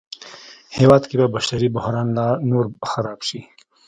هېواد کې به بشري بحران لا نور خراب شي